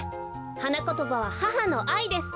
はなことばは「母のあい」です。